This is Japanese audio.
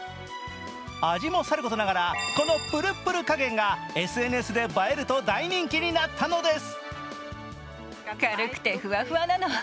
味もさることながらこのぷるぷる加減がＳＮＳで映えると大人気になったのです。